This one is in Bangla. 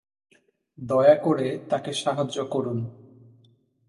দয়া করে তাঁকে সাহায্য করুন।